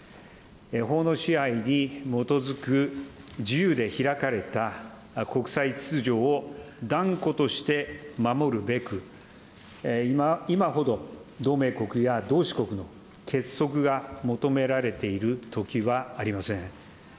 法の支配に基づく自由で開かれた国際秩序を断固として守るべく、今ほど同盟国や同志国の結束が求められているときはありません。